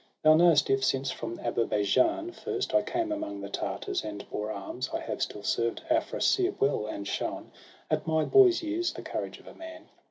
Thou know'st if, since from Ader baijan first I came among the Tartars and bore arms, I have still served Afrasiab well, and shown, At my boy's years, the courage of a man.